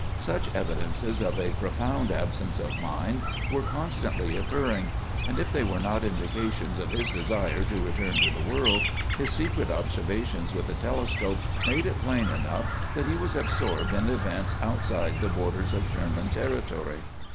Such evidences of a profound absence of mind were constantly occurring; and if they were not indications of his desire to return to the world, his secret observations with the telescope made it plain enough that he was absorbed in events outside the borders of Sherman Territory.